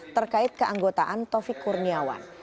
terkait keanggotaan tovi kurniawan